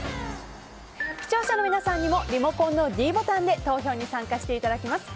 視聴者の皆さんにもリモコンのｄボタンで投票に参加していただきます。